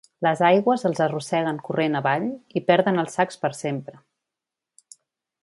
Les aigües els arrosseguen corrent avall i perden els sacs per sempre.